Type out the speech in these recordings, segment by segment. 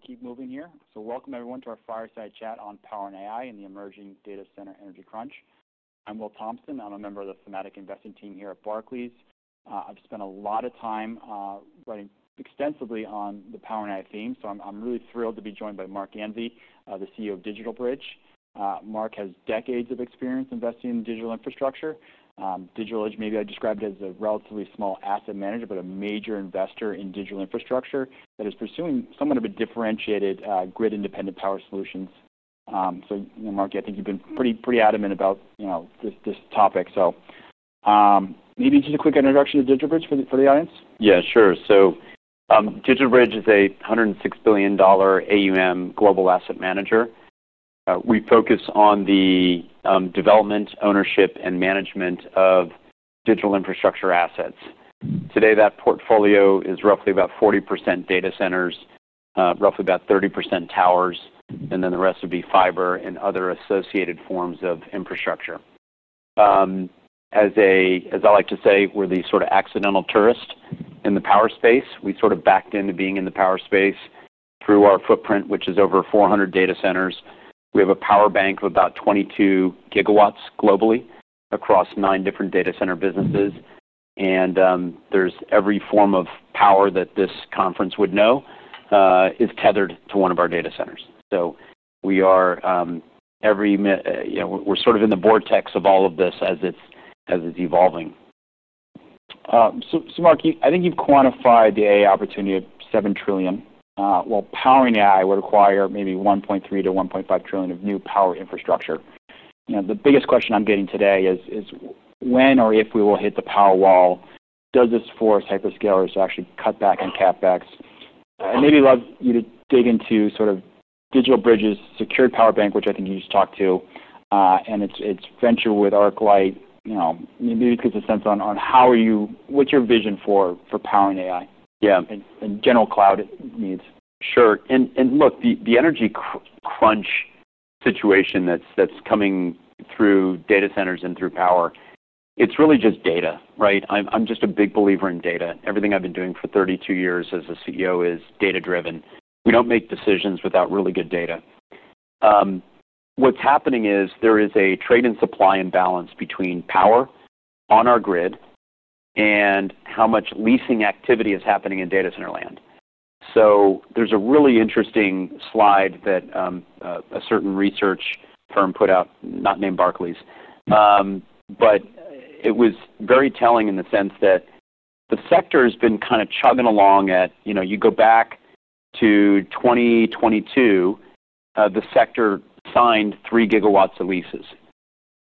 We'll keep moving here. Welcome everyone to our fireside chat on Power and AI in the emerging data center energy crunch. I'm Will Thompson. I'm a member of the thematic investing team here at Barclays. I've spent a lot of time writing extensively on the Power and AI theme. So I'm really thrilled to be joined by Marc Ganzi, the CEO of DigitalBridge. Marc has decades of experience investing in digital infrastructure. DigitalBridge, maybe I'd describe it as a relatively small asset manager but a major investor in digital infrastructure that is pursuing somewhat of a differentiated, grid-independent power solutions. You know, Marc, I think you've been pretty adamant about this topic. So maybe just a quick introduction to DigitalBridge for the audience. Yeah, sure. So, DigitalBridge is a $106 billion AUM global asset manager. We focus on the development, ownership, and management of digital infrastructure assets. Today, that portfolio is roughly about 40% data centers, roughly about 30% towers, and then the rest would be fiber and other associated forms of infrastructure. As I like to say, we're the sort of accidental tourist in the power space. We sort of backed into being in the power space through our footprint, which is over 400 data centers. We have a power bank of about 22 gigawatts globally across nine different data center businesses. And, there's every form of power that this conference would know is tethered to one of our data centers. So we are, every way you know, we're sort of in the vortex of all of this as it's evolving. So, Marc, you, I think you've quantified the AI opportunity at $7 trillion, while powering AI would require maybe $1.3-$1.5 trillion of new power infrastructure. You know, the biggest question I'm getting today is, is when or if we will hit the power wall? Does this force hyperscalers to actually cut back on CapEx? And maybe I'd love you to dig into sort of DigitalBridge's secured power bank, which I think you just talked to, and its venture with ArcLight. You know, maybe just get a sense on how are you, what's your vision for powering AI? Yeah. And general cloud needs. Sure. And look, the energy crunch situation that's coming through data centers and through power, it's really just data, right? I'm just a big believer in data. Everything I've been doing for 32 years as a CEO is data-driven. We don't make decisions without really good data. What's happening is there is a trade-in-supply imbalance between power on our grid and how much leasing activity is happening in data center land. So there's a really interesting slide that a certain research firm put out, not named Barclays, but it was very telling in the sense that the sector has been kinda chugging along at, you know, you go back to 2022, the sector signed three gigawatts of leases.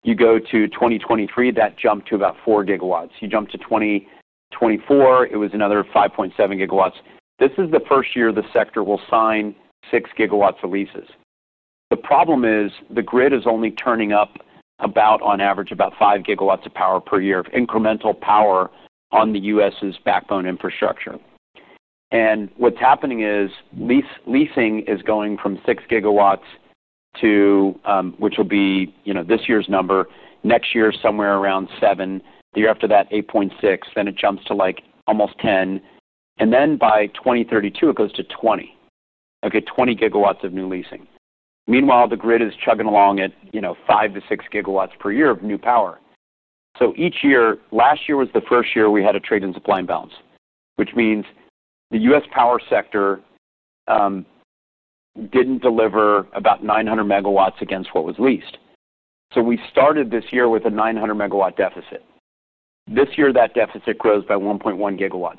You go to 2023, that jumped to about four gigawatts. You jump to 2024, it was another 5.7 gigawatts. This is the first year the sector will sign 6 gigawatts of leases. The problem is the grid is only turning up about, on average, about 5 gigawatts of power per year of incremental power on the U.S.'s backbone infrastructure. And what's happening is leasing is going from 6 gigawatts to, which will be, you know, this year's number, next year somewhere around 7, the year after that 8.6, then it jumps to like almost 10. And then by 2032, it goes to 20, okay, 20 gigawatts of new leasing. Meanwhile, the grid is chugging along at, you know, 5-6 gigawatts per year of new power. So each year, last year was the first year we had a supply-demand imbalance, which means the U.S. power sector didn't deliver about 900 megawatts against what was leased. So we started this year with a 900-megawatt deficit. This year, that deficit grows by 1.1 gigawatts,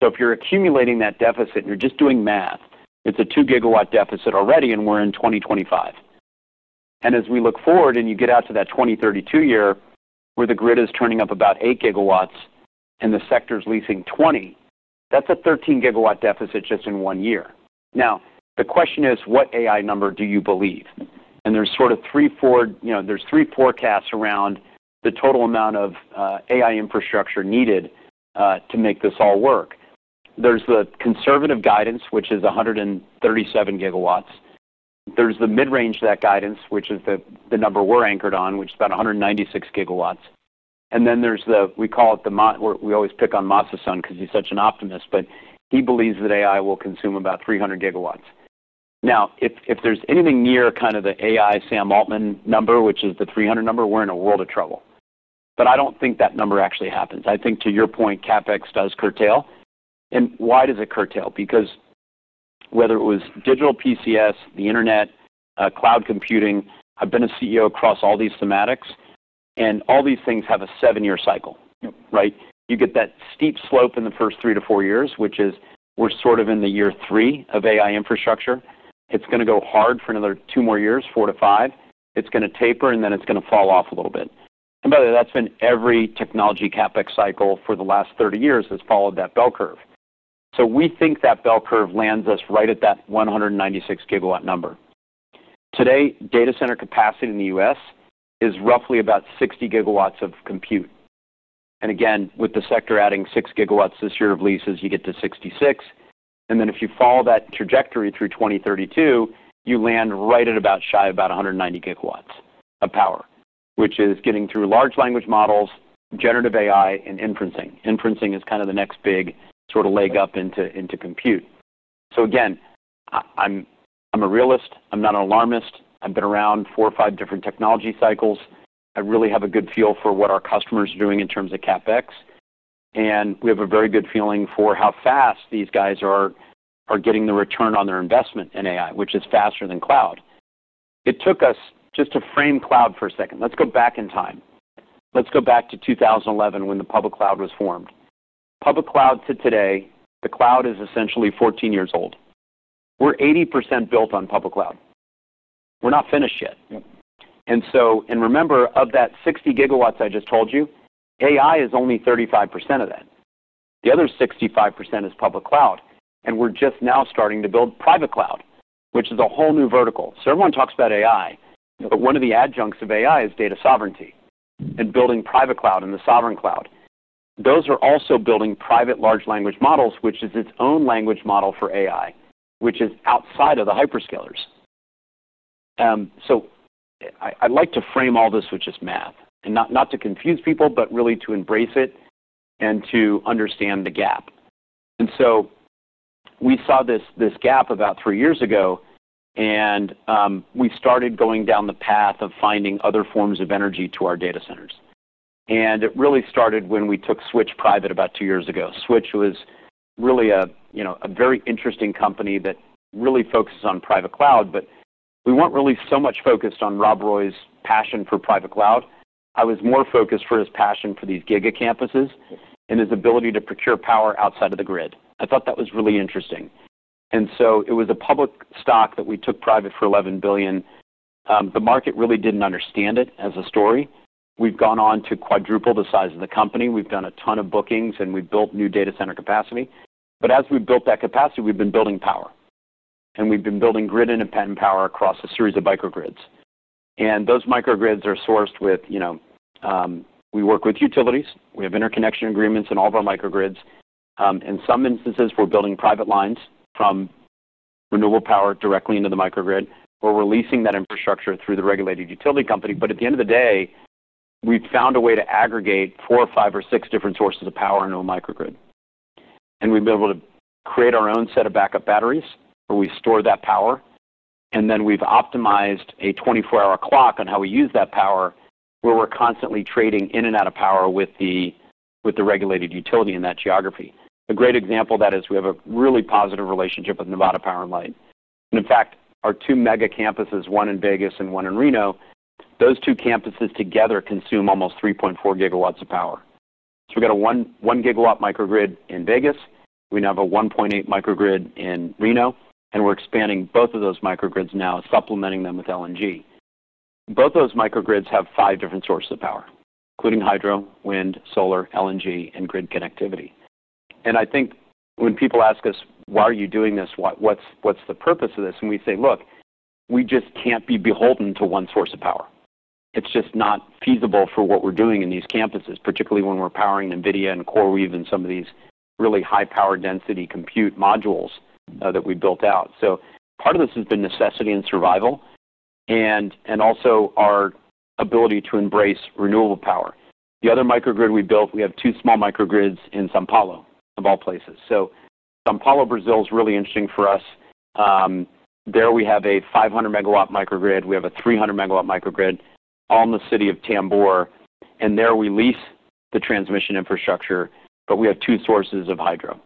so if you're accumulating that deficit and you're just doing math, it's a 2-gigawatt deficit already, and we're in 2025, and as we look forward and you get out to that 2032 year where the grid is turning up about 8 gigawatts and the sector's leasing 20, that's a 13-gigawatt deficit just in one year. Now, the question is, what AI number do you believe? And there's sort of three for you know, there's three forecasts around the total amount of AI infrastructure needed to make this all work. There's the conservative guidance, which is 137 gigawatts. There's the mid-range of that guidance, which is the number we're anchored on, which is about 196 gigawatts. And then there's the MO we always pick on Masa Son 'cause he's such an optimist, but he believes that AI will consume about 300 gigawatts. Now, if there's anything near kind of the AI Sam Altman number, which is the 300 number, we're in a world of trouble. But I don't think that number actually happens. I think to your point, CapEx does curtail. And why does it curtail? Because whether it was digital PCs, the internet, cloud computing, I've been a CEO across all these thematics, and all these things have a seven-year cycle, right? You get that steep slope in the first three to four years, which is we're sort of in the year three of AI infrastructure. It's gonna go hard for another two more years, four to five. It's gonna taper, and then it's gonna fall off a little bit. By the way, that's been every technology CapEx cycle for the last 30 years has followed that bell curve. So we think that bell curve lands us right at that 196-gigawatt number. Today, data center capacity in the U.S. is roughly about 60 gigawatts of compute. And again, with the sector adding 6 gigawatts this year of leases, you get to 66. And then if you follow that trajectory through 2032, you land right at about shy of about 190 gigawatts of power, which is getting through large language models, generative AI, and inferencing. Inferencing is kinda the next big sort of leg up into compute. So again, I'm, I'm a realist. I'm not an alarmist. I've been around four or five different technology cycles. I really have a good feel for what our customers are doing in terms of CapEx. We have a very good feeling for how fast these guys are getting the return on their investment in AI, which is faster than cloud. It took us just to frame cloud for a second. Let's go back in time. Let's go back to 2011 when the public cloud was formed. Public cloud to today, the cloud is essentially 14 years old. We're 80% built on public cloud. We're not finished yet. Yep. And so, and remember, of that 60 gigawatts I just told you, AI is only 35% of that. The other 65% is public cloud. And we're just now starting to build private cloud, which is a whole new vertical. So everyone talks about AI, but one of the adjuncts of AI is data sovereignty and building private cloud and the sovereign cloud. Those are also building private large language models, which is its own language model for AI, which is outside of the hyperscalers, so I, I'd like to frame all this with just math and not, not to confuse people, but really to embrace it and to understand the gap. And so we saw this, this gap about three years ago, and we started going down the path of finding other forms of energy to our data centers. And it really started when we took Switch private about two years ago. Switch was really a, you know, a very interesting company that really focuses on private cloud, but we weren't really so much focused on Rob Roy's passion for private cloud. I was more focused for his passion for these gigacampuses and his ability to procure power outside of the grid. I thought that was really interesting. And so it was a public stock that we took private for $11 billion. The market really didn't understand it as a story. We've gone on to quadruple the size of the company. We've done a ton of bookings, and we've built new data center capacity. But as we've built that capacity, we've been building power. And we've been building grid-independent power across a series of microgrids. And those microgrids are sourced with, you know, we work with utilities. We have interconnection agreements in all of our microgrids. In some instances, we're building private lines from renewable power directly into the microgrid. We're releasing that infrastructure through the regulated utility company, but at the end of the day, we've found a way to aggregate four or five or six different sources of power into a microgrid. We've been able to create our own set of backup batteries where we store that power. Then we've optimized a 24-hour clock on how we use that power where we're constantly trading in and out of power with the regulated utility in that geography. A great example of that is we have a really positive relationship with Nevada Power and Light. In fact, our two mega campuses, one in Vegas and one in Reno, those two campuses together consume almost 3.4 gigawatts of power. We've got a 1-gigawatt microgrid in Vegas. We now have a 1.8-gigawatt microgrid in Reno, and we're expanding both of those microgrids now, supplementing them with LNG. Both of those microgrids have five different sources of power, including hydro, wind, solar, LNG, and grid connectivity. I think when people ask us, "Why are you doing this? Why, what's the purpose of this?" we say, "Look, we just can't be beholden to one source of power. It's just not feasible for what we're doing in these campuses, particularly when we're powering NVIDIA and CoreWeave and some of these really high-power density compute modules that we built out." Part of this has been necessity and survival and also our ability to embrace renewable power. The other microgrid we built. We have two small microgrids in São Paulo, of all places. So São Paulo, Brazil, is really interesting for us. There we have a 500 megawatt microgrid. We have a 300 megawatt microgrid all in the city of Tamboré. And there we lease the transmission infrastructure, but we have two sources of hydro.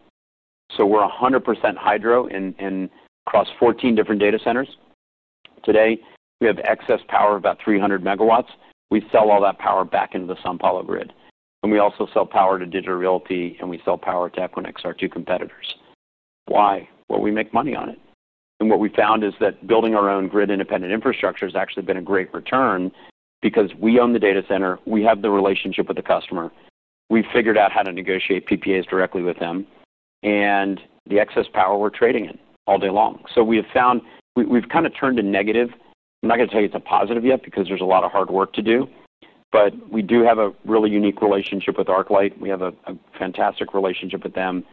So we're 100% hydro in across 14 different data centers. Today, we have excess power of about 300 megawatts. We sell all that power back into the São Paulo grid. And we also sell power to Digital Realty, and we sell power to Equinix, our two competitors. Why? Well, we make money on it. And what we found is that building our own grid-independent infrastructure has actually been a great return because we own the data center. We have the relationship with the customer. We've figured out how to negotiate PPAs directly with them. And the excess power we're trading in all day long. We have found we've kinda turned a negative. I'm not gonna tell you it's a positive yet because there's a lot of hard work to do. But we do have a really unique relationship with ArcLight. We have a fantastic relationship with them.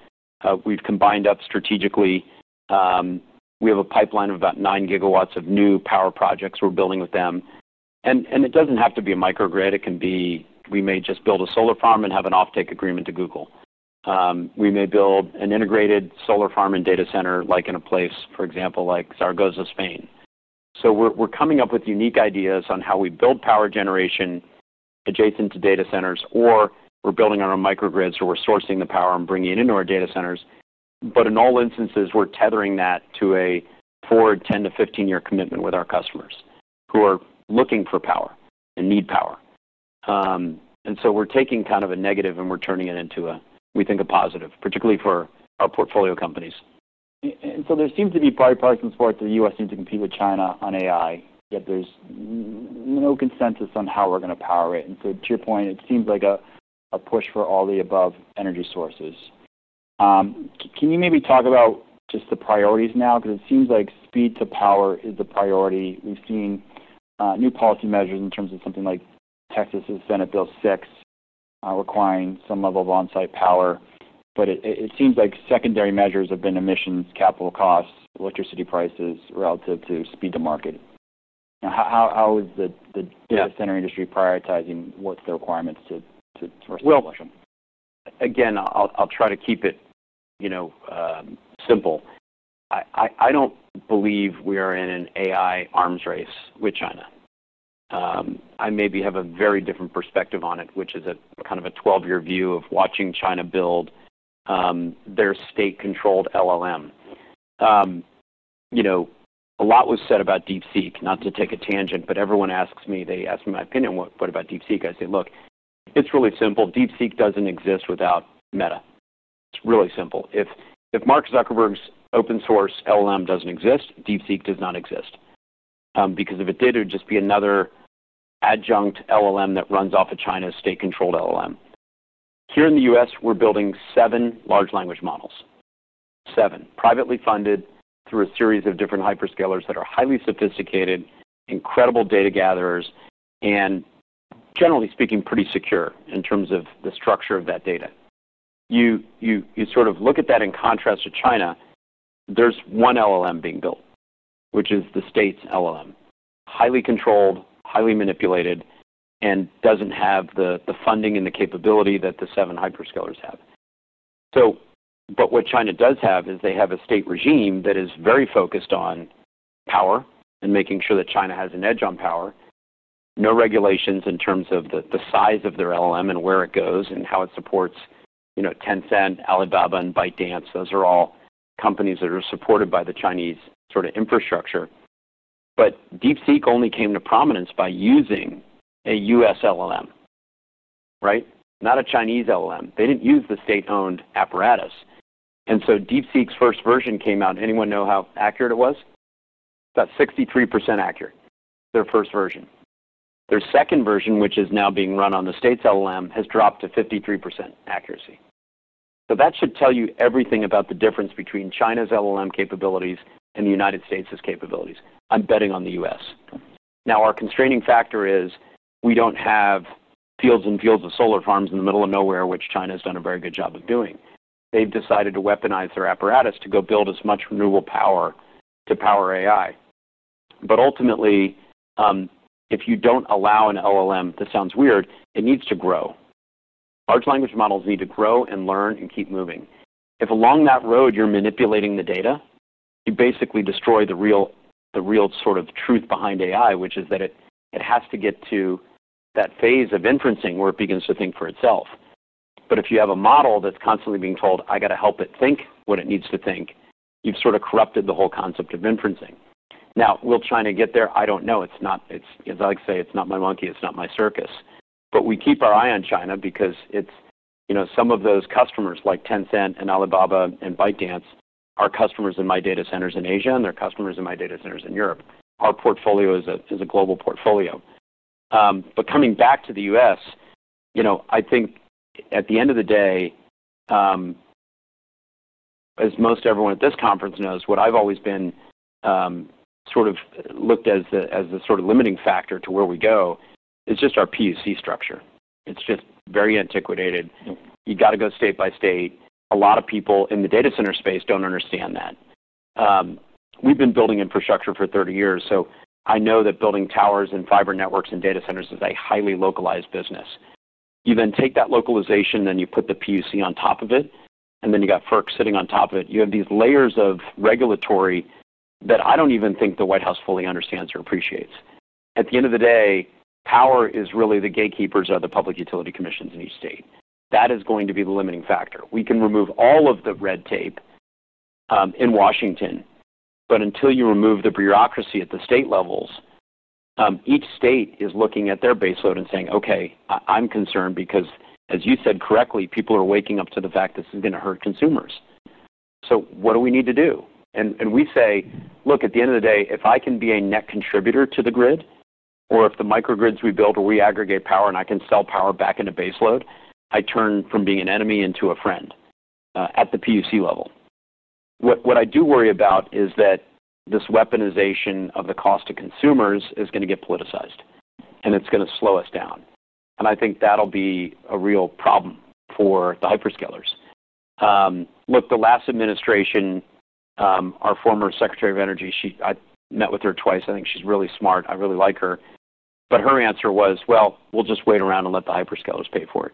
We've combined up strategically. We have a pipeline of about nine gigawatts of new power projects we're building with them. And it doesn't have to be a microgrid. It can be we may just build a solar farm and have an offtake agreement to Google. We may build an integrated solar farm and data center, like in a place, for example, like Zaragoza, Spain. So we're coming up with unique ideas on how we build power generation adjacent to data centers, or we're building our own microgrids, or we're sourcing the power and bringing it into our data centers. But in all instances, we're tethering that to a forward 10-15 year commitment with our customers who are looking for power and need power, and so we're taking kind of a negative and we're turning it into a, we think, a positive, particularly for our portfolio companies. And so there seems to be bipartisan support that the U.S. needs to compete with China on AI, yet there's no consensus on how we're gonna power it. And so to your point, it seems like a push for all the above energy sources. Can you maybe talk about just the priorities now? 'Cause it seems like speed to power is the priority. We've seen new policy measures in terms of something like Texas's Senate Bill 6, requiring some level of onsite power. But it seems like secondary measures have been emissions, capital costs, electricity prices relative to speed to market. Now, how is the data center industry prioritizing what's the requirements to source the electricity? Again, I'll try to keep it, you know, simple. I don't believe we are in an AI arms race with China. I maybe have a very different perspective on it, which is a kind of a 12-year view of watching China build their state-controlled LLM. You know, a lot was said about DeepSeek, not to take a tangent, but everyone asks me my opinion on what about DeepSeek. I say, "Look, it's really simple. DeepSeek doesn't exist without Meta. It's really simple. If Mark Zuckerberg's open-source LLM doesn't exist, DeepSeek does not exist," because if it did, it would just be another adjunct LLM that runs off of China's state-controlled LLM. Here in the U.S., we're building seven large language models, seven, privately funded through a series of different hyperscalers that are highly sophisticated, incredible data gatherers, and generally speaking, pretty secure in terms of the structure of that data. You sort of look at that in contrast to China. There's one LLM being built, which is the state's LLM, highly controlled, highly manipulated, and doesn't have the funding and the capability that the seven hyperscalers have. So, but what China does have is they have a state regime that is very focused on power and making sure that China has an edge on power. No regulations in terms of the size of their LLM and where it goes and how it supports, you know, Tencent, Alibaba, and ByteDance. Those are all companies that are supported by the Chinese sort of infrastructure. But DeepSeek only came to prominence by using a US LLM, right? Not a Chinese LLM. They didn't use the state-owned apparatus. And so DeepSeek's first version came out. Anyone know how accurate it was? About 63% accurate, their first version. Their second version, which is now being run on the state's LLM, has dropped to 53% accuracy. So that should tell you everything about the difference between China's LLM capabilities and the United States' capabilities. I'm betting on the US. Now, our constraining factor is we don't have fields and fields of solar farms in the middle of nowhere, which China has done a very good job of doing. They've decided to weaponize their apparatus to go build as much renewable power to power AI. But ultimately, if you don't allow an LLM, this sounds weird, it needs to grow. Large language models need to grow and learn and keep moving. If along that road you're manipulating the data, you basically destroy the real sort of truth behind AI, which is that it has to get to that phase of inferencing where it begins to think for itself. But if you have a model that's constantly being told, "I gotta help it think what it needs to think," you've sort of corrupted the whole concept of inferencing. Now, will China get there? I don't know. It's not, as I say, it's not my monkey. It's not my circus. But we keep our eye on China because it's, you know, some of those customers like Tencent and Alibaba and ByteDance are customers in my data centers in Asia, and they're customers in my data centers in Europe. Our portfolio is a global portfolio. But coming back to the U.S., you know, I think at the end of the day, as most everyone at this conference knows, what I've always been, sort of looked as the, as the sort of limiting factor to where we go is just our PUC structure. It's just very antiquated. You gotta go state by state. A lot of people in the data center space don't understand that. We've been building infrastructure for 30 years, so I know that building towers and fiber networks and data centers is a highly localized business. You then take that localization, then you put the PUC on top of it, and then you got FERC sitting on top of it. You have these layers of regulatory that I don't even think the White House fully understands or appreciates. At the end of the day, power is really the gatekeepers of the public utility commissions in each state. That is going to be the limiting factor. We can remove all of the red tape, in Washington, but until you remove the bureaucracy at the state levels, each state is looking at their baseload and saying, "Okay, I'm concerned because, as you said correctly, people are waking up to the fact this is gonna hurt consumers. So what do we need to do?" And we say, "Look, at the end of the day, if I can be a net contributor to the grid, or if the microgrids we build will reaggregate power and I can sell power back into baseload, I turn from being an enemy into a friend, at the PUC level." What I do worry about is that this weaponization of the cost to consumers is gonna get politicized, and it's gonna slow us down. And I think that'll be a real problem for the hyperscalers. Look, the last administration, our former Secretary of Energy, she, I met with her twice. I think she's really smart. I really like her. But her answer was, "Well, we'll just wait around and let the hyperscalers pay for it."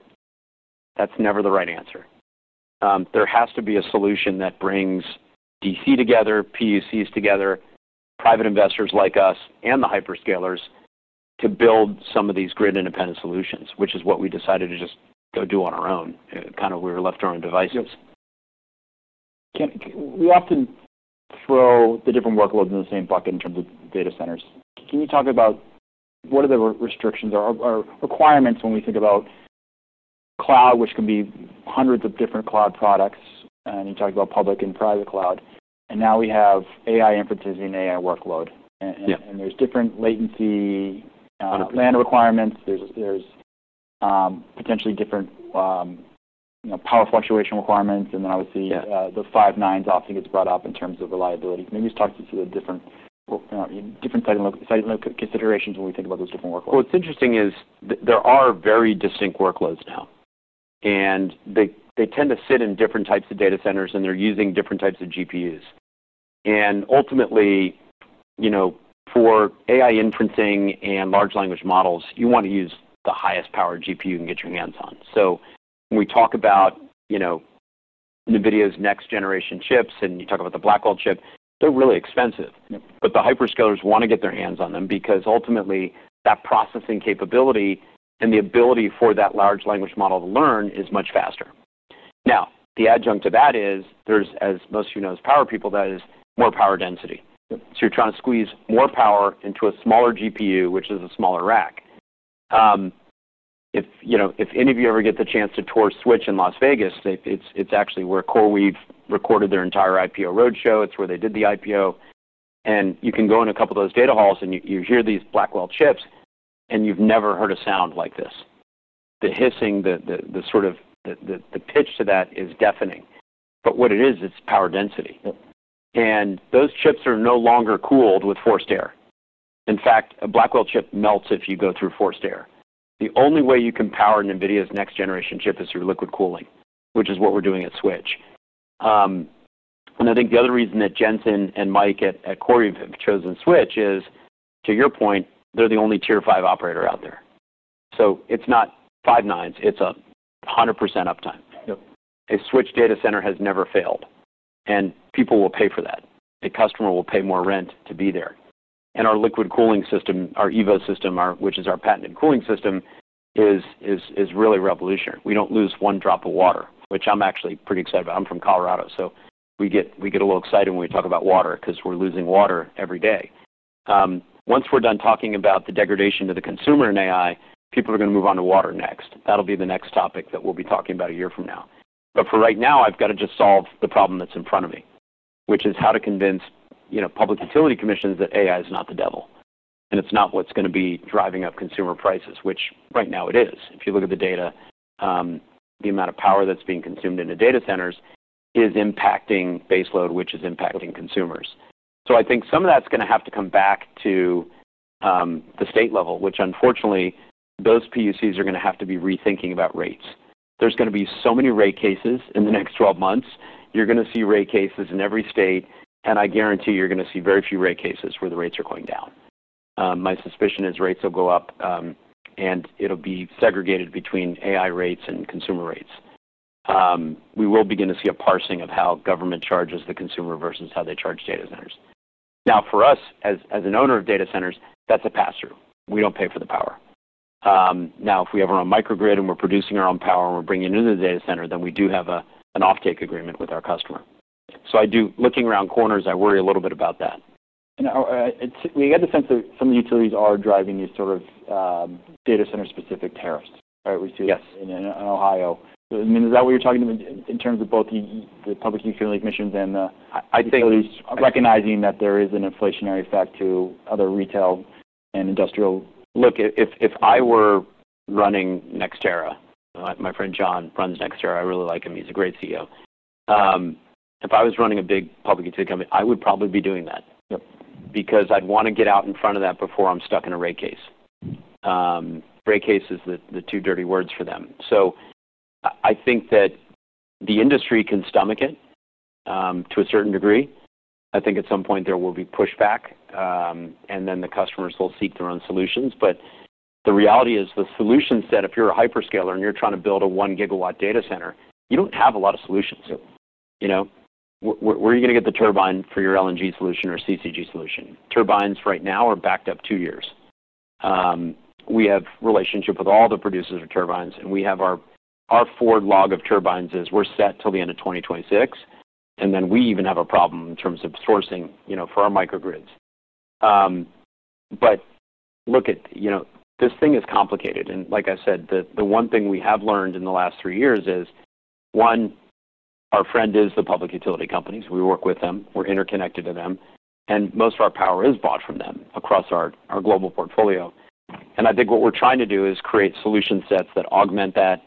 That's never the right answer. There has to be a solution that brings D.C. together, PUCs together, private investors like us, and the hyperscalers to build some of these grid-independent solutions, which is what we decided to just go do on our own. Kind of, we were left to our own devices. Yes. Can we often throw the different workloads in the same bucket in terms of data centers? Can you talk about what are the restrictions or requirements when we think about cloud, which can be hundreds of different cloud products? And you talked about public and private cloud. And now we have AI inferences and AI workload. And there's different latency, plan requirements. There's potentially different, you know, power fluctuation requirements. And then obviously. Yes. The five nines often gets brought up in terms of reliability. Can you just talk to us of the different site and loc considerations when we think about those different workloads? What's interesting is there are very distinct workloads now. They tend to sit in different types of data centers, and they're using different types of GPUs. Ultimately, you know, for AI inferencing and large language models, you wanna use the highest power GPU you can get your hands on. When we talk about, you know, NVIDIA's next-generation chips and you talk about the Blackwell chip, they're really expensive. Yep. But the hyperscalers wanna get their hands on them because ultimately that processing capability and the ability for that large language model to learn is much faster. Now, the adjunct to that is there's, as most of you know as power people, that is more power density. Yep. So you're trying to squeeze more power into a smaller GPU, which is a smaller rack. If, you know, any of you ever get the chance to tour Switch in Las Vegas, it's actually where CoreWeave recorded their entire IPO roadshow. It's where they did the IPO. And you can go in a couple of those data halls, and you hear these Blackwell chips, and you've never heard a sound like this. The hissing, the sort of, the pitch to that is deafening. But what it is, it's power density. Yep. Those chips are no longer cooled with forced air. In fact, a Blackwell chip melts if you go through forced air. The only way you can power NVIDIA's next-generation chip is through liquid cooling, which is what we're doing at Switch, and I think the other reason that Jensen and Mike at CoreWeave have chosen Switch is, to your point, they're the only Tier 5 operator out there. So it's not five nines. It's a 100% uptime. Yep. A Switch data center has never failed, and people will pay for that. A customer will pay more rent to be there. And our liquid cooling system, our EVO system, which is our patented cooling system, is really revolutionary. We don't lose one drop of water, which I'm actually pretty excited about. I'm from Colorado, so we get a little excited when we talk about water 'cause we're losing water every day. Once we're done talking about the degradation to the consumer in AI, people are gonna move on to water next. That'll be the next topic that we'll be talking about a year from now. But for right now, I've gotta just solve the problem that's in front of me, which is how to convince, you know, public utility commissions that AI is not the devil and it's not what's gonna be driving up consumer prices, which right now it is. If you look at the data, the amount of power that's being consumed in the data centers is impacting baseload, which is impacting consumers. So I think some of that's gonna have to come back to, the state level, which unfortunately those PUCs are gonna have to be rethinking about rates. There's gonna be so many rate cases in the next 12 months. You're gonna see rate cases in every state, and I guarantee you're gonna see very few rate cases where the rates are going down. My suspicion is rates will go up, and it'll be segregated between AI rates and consumer rates. We will begin to see a parsing of how government charges the consumer versus how they charge data centers. Now, for us, as an owner of data centers, that's a pass-through. We don't pay for the power. Now, if we have our own microgrid and we're producing our own power and we're bringing it into the data center, then we do have an offtake agreement with our customer. So I do, looking around corners, I worry a little bit about that. We get the sense that some of the utilities are driving these sort of data center-specific tariffs, right? We see it. Yes. In Ohio. I mean, is that what you're talking about in terms of both the public utility commissions and the utilities? I think. Recognizing that there is an inflationary effect to other retail and industrial. Look, if I were running NextEra, my friend John runs NextEra. I really like him. He's a great CEO. If I was running a big public utility company, I would probably be doing that. Yep. Because I'd wanna get out in front of that before I'm stuck in a rate case. Rate case is the two dirty words for them. So I, I think that the industry can stomach it, to a certain degree. I think at some point there will be pushback, and then the customers will seek their own solutions. But the reality is the solutions that if you're a hyperscaler and you're trying to build a one-gigawatt data center, you don't have a lot of solutions. Yep. You know? Where, where, where are you gonna get the turbine for your LNG solution or CCG solution? Turbines right now are backed up two years. We have a relationship with all the producers of turbines, and we have our forward log of turbines is we're set till the end of 2026, and then we even have a problem in terms of sourcing, you know, for our microgrids. But look at, you know, this thing is complicated. And like I said, the one thing we have learned in the last three years is, one, our friend is the public utility companies. We work with them. We're interconnected to them. And most of our power is bought from them across our global portfolio. And I think what we're trying to do is create solution sets that augment that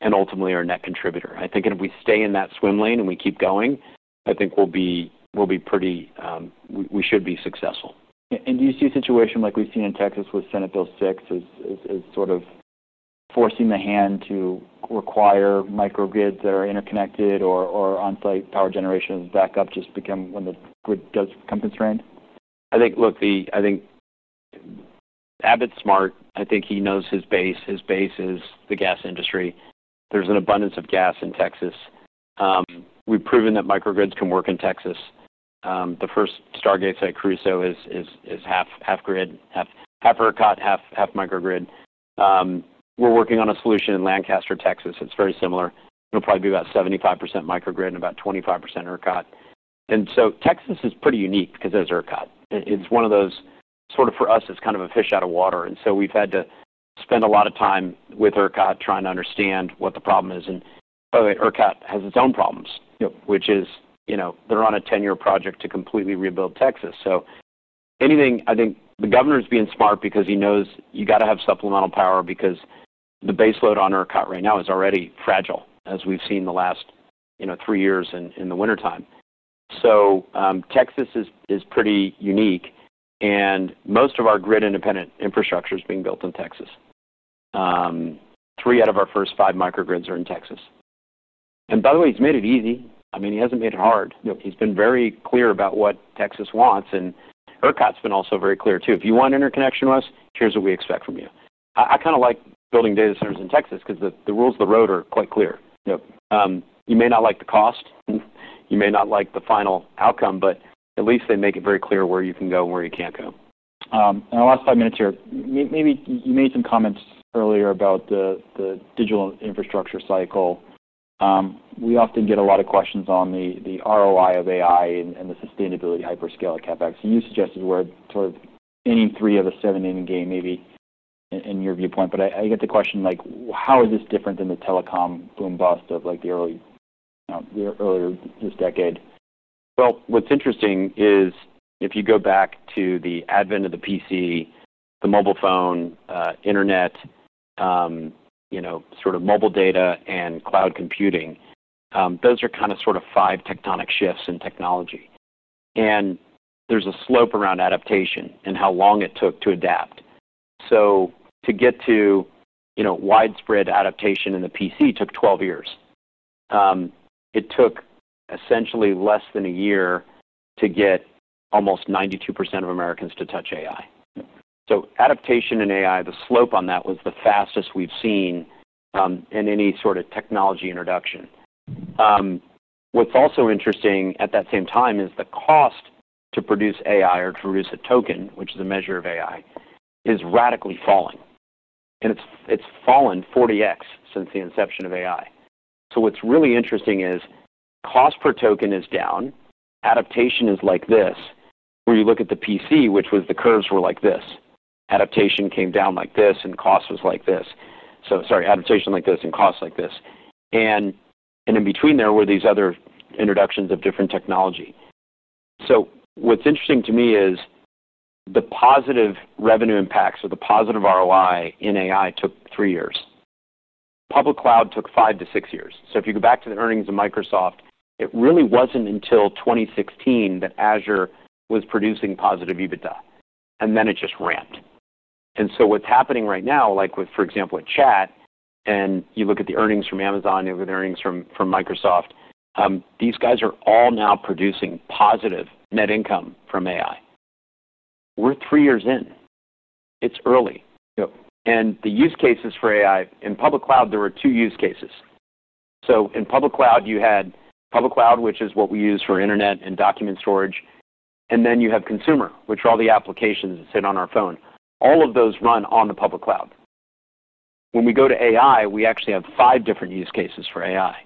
and ultimately are a net contributor. I think if we stay in that swim lane and we keep going, I think we'll be pretty. We should be successful. Do you see a situation like we've seen in Texas with Senate Bill 6 as sort of forcing the hand to require microgrids that are interconnected or onsite power generation backup just become when the grid does become constrained? I think, look, I think Abbott's smart. I think he knows his base. His base is the gas industry. There's an abundance of gas in Texas. We've proven that microgrids can work in Texas. The first Stargate site Carusoe is half grid, half ERCOT, half microgrid. We're working on a solution in Lancaster, Texas. It's very similar. It'll probably be about 75% microgrid and about 25% ERCOT, and so Texas is pretty unique 'cause there's ERCOT. It's one of those sort of for us, it's kind of a fish out of water, and so we've had to spend a lot of time with ERCOT trying to understand what the problem is. And by the way, ERCOT has its own problems. Yep. Which is, you know, they're on a 10-year project to completely rebuild Texas. So anything, I think the governor's being smart because he knows you gotta have supplemental power because the baseload on ERCOT right now is already fragile, as we've seen the last, you know, three years in the wintertime. So, Texas is pretty unique. And most of our grid-independent infrastructure is being built in Texas. Three out of our first five microgrids are in Texas. And by the way, he's made it easy. I mean, he hasn't made it hard. Yep. He's been very clear about what Texas wants. ERCOT's been also very clear too. If you want interconnection with us, here's what we expect from you. I kinda like building data centers in Texas 'cause the rules of the road are quite clear. Yep. You may not like the cost. You may not like the final outcome, but at least they make it very clear where you can go and where you can't go. In the last five minutes here, maybe you made some comments earlier about the digital infrastructure cycle. We often get a lot of questions on the ROI of AI and the sustainability hyperscalers' CapEx. You suggested we're sort of aiming three of a seven in a game maybe in your viewpoint. I get the question, like, how is this different than the telecom boom-bust of, like, the early, you know, the earlier this decade? What's interesting is if you go back to the advent of the PC, the mobile phone, internet, you know, sort of mobile data and cloud computing. Those are kinda sort of five tectonic shifts in technology. There's a slope around adoption and how long it took to adopt. To get to, you know, widespread adoption in the PC took 12 years. It took essentially less than a year to get almost 92% of Americans to touch AI. Yep. So adaptation in AI, the slope on that was the fastest we've seen, in any sort of technology introduction. What's also interesting at that same time is the cost to produce AI or to produce a token, which is a measure of AI, is radically falling. And it's fallen 40x since the inception of AI. So what's really interesting is cost per token is down. Adaptation is like this where you look at the PC, which was the curves were like this. Adaptation came down like this, and cost was like this. So sorry, adaptation like this and cost like this. And in between there were these other introductions of different technology. So what's interesting to me is the positive revenue impacts or the positive ROI in AI took three years. Public cloud took five to six years. So if you go back to the earnings of Microsoft, it really wasn't until 2016 that Azure was producing positive EBITDA. And then it just ramped. And so what's happening right now, like with, for example, with chat, and you look at the earnings from Amazon, you look at the earnings from Microsoft, these guys are all now producing positive net income from AI. We're three years in. It's early. Yep. The use cases for AI in public cloud, there were two use cases. In public cloud, you had public cloud, which is what we use for internet and document storage. Then you have consumer, which are all the applications that sit on our phone. All of those run on the public cloud. When we go to AI, we actually have five different use cases for AI.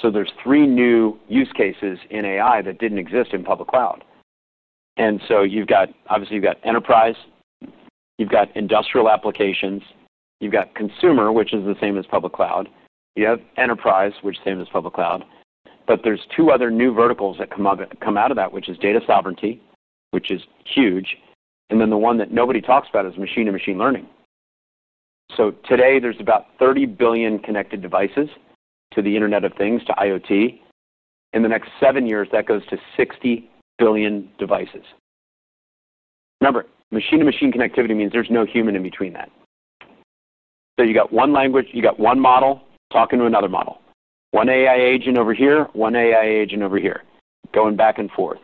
There are three new use cases in AI that didn't exist in public cloud. You’ve got, obviously, you’ve got enterprise, you’ve got industrial applications, you’ve got consumer, which is the same as public cloud, you have enterprise, which is the same as public cloud. There are two other new verticals that come out of that, which is data sovereignty, which is huge. The one that nobody talks about is machine-to-machine learning. So today there's about 30 billion connected devices to the Internet of Things, to IoT. In the next seven years, that goes to 60 billion devices. Remember, machine-to-machine connectivity means there's no human in between that. So you got one language, you got one model talking to another model, one AI agent over here, one AI agent over here going back and forth.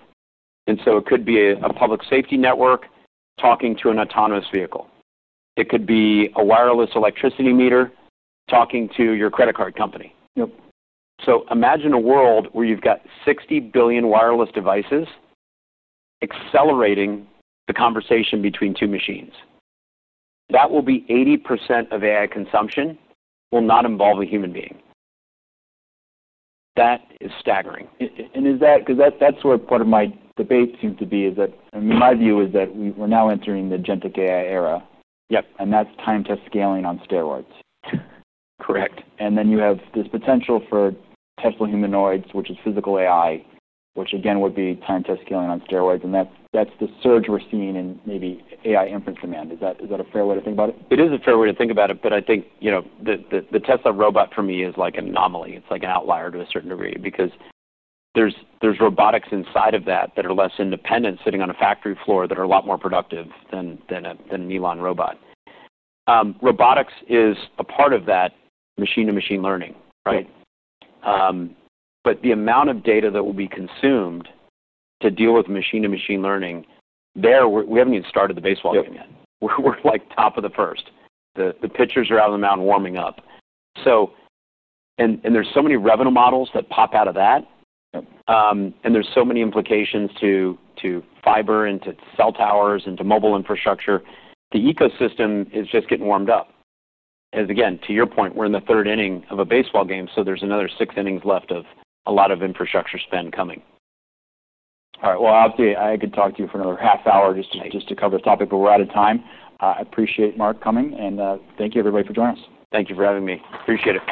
And so it could be a public safety network talking to an autonomous vehicle. It could be a wireless electricity meter talking to your credit card company. Yep. So imagine a world where you've got 60 billion wireless devices accelerating the conversation between two machines. That will be 80% of AI consumption will not involve a human being. That is staggering. Is that because that's where part of my debate seems to be, is that in my view we're now entering the generative AI era. Yep. That's time-tested scaling on steroids. Correct. Then you have this potential for Tesla humanoids, which is physical AI, which again would be time-tested scaling on steroids. That's the surge we're seeing in maybe AI inference demand. Is that a fair way to think about it? It is a fair way to think about it. But I think, you know, the Tesla robot for me is like an anomaly. It's like an outlier to a certain degree because there's robotics inside of that that are less independent sitting on a factory floor that are a lot more productive than an Elon robot. Robotics is a part of that machine-to-machine learning, right? Yep. but the amount of data that will be consumed to deal with machine-to-machine learning, there we haven't even started the baseball game yet. Yep. We're like top of the first. The pitchers are out of the mound warming up. And there's so many revenue models that pop out of that. Yep. And there's so many implications to, to fiber and to cell towers and to mobile infrastructure. The ecosystem is just getting warmed up. As again, to your point, we're in the third inning of a baseball game, so there's another six innings left of a lot of infrastructure spend coming. All right. Well, obviously, I could talk to you for another half hour just to. Thanks. Just to cover the topic, but we're out of time. I appreciate Mark coming. And, thank you, everybody, for joining us. Thank you for having me. Appreciate it.